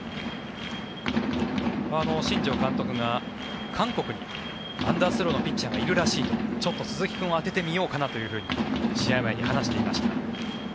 新庄監督が韓国にアンダースローのピッチャーがいるらしいと、ちょっと鈴木君を当ててみようかなと試合前に話していました。